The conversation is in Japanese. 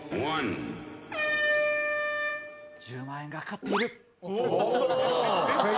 １０万円が懸かっている。